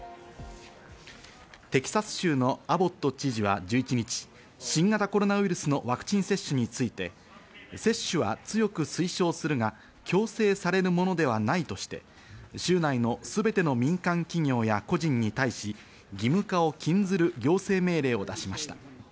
テキサス州のアボット知事は１１日、新型コロナウイルスのワクチン接種について、接種は強く推奨するが強制されるものではないとして州内の全ての民間企業や個人に対し、義務化を禁ずる行政命令を出しました。